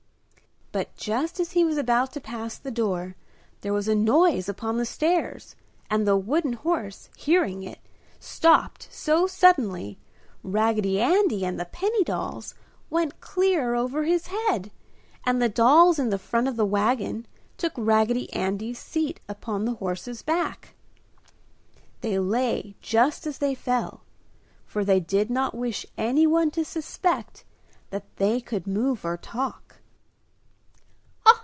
But just as he was about to pass the door, there was a noise upon the stairs and the wooden horse, hearing it, stopped so suddenly Raggedy Andy and the penny dolls went clear over his head and the dolls in the front of the wagon took Raggedy Andy's seat upon the horse's back. They lay just as they fell, for they did not wish anyone to suspect that they could move or talk.